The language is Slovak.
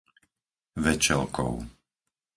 Večelkov